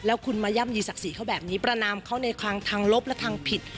แล้วคุณมาย่ำยีศักดิ์ศรีเขาแบบนี้ประนามเขาในทางลบและทางผิด